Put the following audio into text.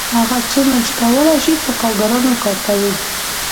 هغه څومره چې کولی شي په کارګرانو کار کوي